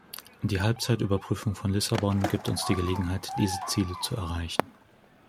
Die Halbzeitüberprüfung von Lissabon gibt uns die Gelegenheit, diese Ziele zu erreichen.